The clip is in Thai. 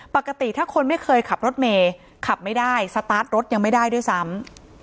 ปกติถ้าคนไม่เคยขับรถเมย์ขับไม่ได้สตาร์ทรถยังไม่ได้ด้วยซ้ำ